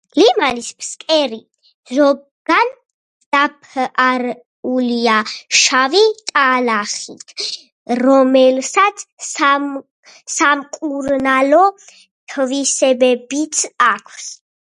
ლიმანის ფსკერი ზოგან დაფარულია შავი ტალახით, რომელსაც სამკურნალო თვისებებიც აქვს.